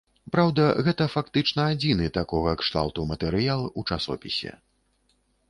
Праўда, гэта фактычна адзіны такога кшталту матэрыял у часопісе.